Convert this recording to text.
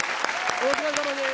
お疲れさまです。